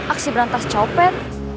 aksi berantas copet